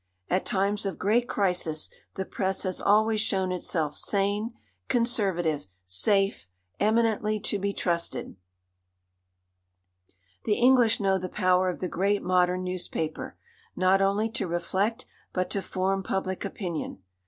At times of great crisis the press has always shown itself sane, conservative, safe, eminently to be trusted. The English know the power of the great modern newspaper, not only to reflect but to form public opinion.